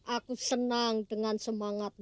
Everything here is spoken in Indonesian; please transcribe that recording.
aku senang dengan semangatmu